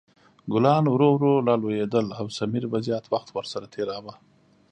ګلان ورو ورو لا لویدل او سمیر به زیات وخت ورسره تېراوه.